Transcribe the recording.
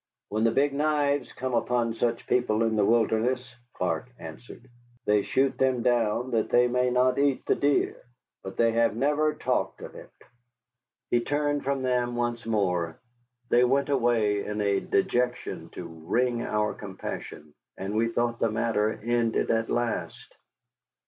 "When the Big Knives come upon such people in the wilderness," Clark answered, "they shoot them down that they may not eat the deer. But they have never talked of it." He turned from them once more; they went away in a dejection to wring our compassion, and we thought the matter ended at last.